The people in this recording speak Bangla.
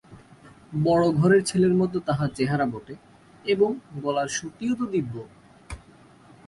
বড়োঘরের ছেলের মতো তাহার চেহারা বটে, এবং গলার সুরটিও তো দিব্য।